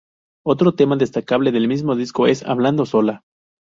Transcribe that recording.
Otro tema destacable del mismo disco es "Hablando sola".